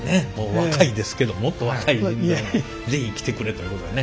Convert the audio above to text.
若いですけどもっと若い人材に是非来てくれということでね。